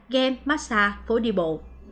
game massage phố đi bộ